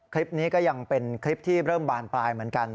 คลิปนี้ก็ยังเป็นคลิปที่เริ่มบานปลายเหมือนกัน